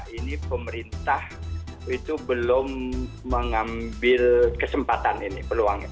ini pemerintah itu belum mengambil kesempatan ini peluangnya